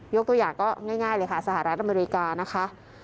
ยกตัวอย่างก็ง่ายเลยค่ะสหรัฐอเมริกานะคะ